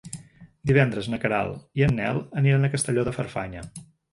Divendres na Queralt i en Nel aniran a Castelló de Farfanya.